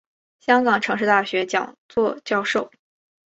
香港城市大学讲座教授。